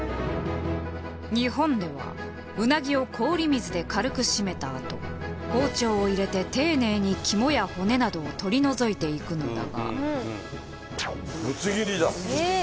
日本ではウナギを氷水で軽くしめたあと包丁を入れて丁寧に肝や骨などを取り除いていくのだが。